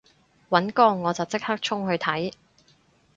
尹光我就即刻衝去睇